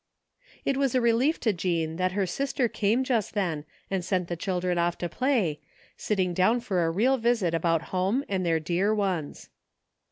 It was a relief to Jean that her sister came just then and sent the children off to play, sitting down for a real visit about home and their dear ones.